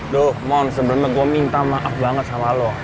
duh mon sebelumnya gue minta maaf banget sama lo